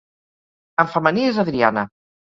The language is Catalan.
En femení és Adriana.